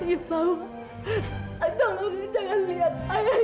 ibu tolong jangan lihat ayah